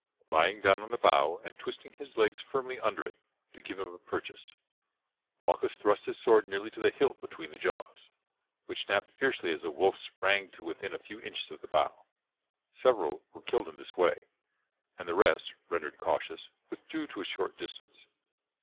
Lying down on the bough, and twisting his legs firmly under it to give him a purchase, Malchus thrust his sword nearly to the hilt between the jaws, which snapped fiercely as a wolf sprang to within a few inches of the bough. Several were killed in this way, and the rest, rendered cautious, withdrew to a short distance.